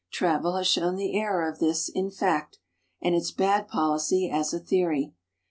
Travel has shown the error of this in fact, and its bad policy as a theory.